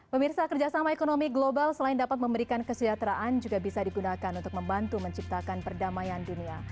pemirsa kerjasama ekonomi global selain dapat memberikan kesejahteraan juga bisa digunakan untuk membantu menciptakan perdamaian dunia